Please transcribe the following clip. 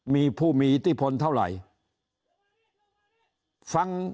มีผู้มีอิทธิพลเท่าไหร่ฟัง